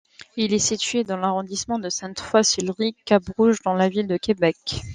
Il est situé dans l'arrondissement de Sainte-Foy–Sillery–Cap-Rouge, dans la ville de Québec.